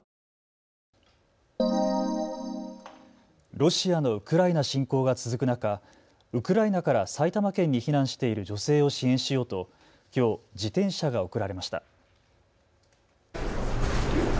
ロシアのウクライナ侵攻が続く中、ウクライナから埼玉県に避難している女性を支援しようときょう自転車が贈られました。